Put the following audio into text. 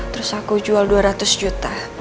terus aku jual dua ratus juta